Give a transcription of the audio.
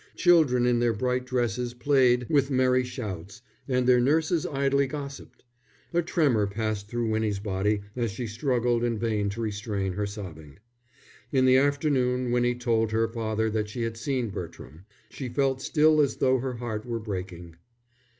Children in their bright dresses played with merry shouts and their nurses idly gossiped. A tremor passed through Winnie's body as she struggled in vain to restrain her sobbing. In the afternoon Winnie told her father that she had seen Bertram. She felt still as though her heart were breaking.